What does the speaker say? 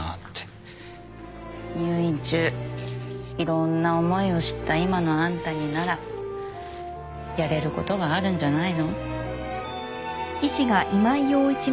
入院中いろんな思いを知った今のあんたにならやれることがあるんじゃないの？